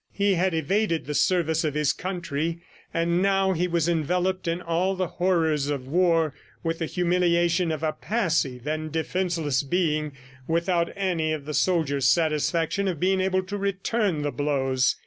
He had evaded the service of his country, and now he was enveloped in all the horrors of war, with the humiliation of a passive and defenseless being, without any of the soldier's satisfaction of being able to return the blows.